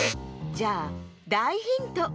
じゃあだいヒント。